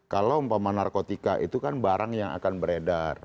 kalau umpama narkotika itu kan barang yang akan beredar